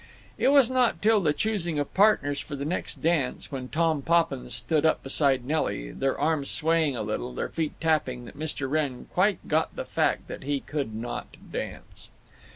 It was not till the choosing of partners for the next dance, when Tom Poppins stood up beside Nelly, their arms swaying a little, their feet tapping, that Mr. Wrenn quite got the fact that he could not dance.